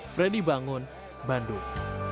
freddy bangun bandung